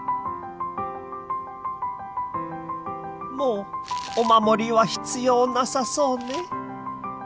もうお守りは必要なさそうね。